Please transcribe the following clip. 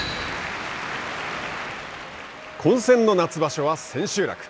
混戦の夏場所は千秋楽。